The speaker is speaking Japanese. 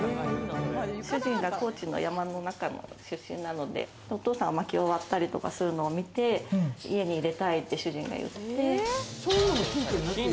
主人が高知の山の中の出身なので、お父さんがまきを割ったりとかするのを見て、家に入れたいって主人が言って。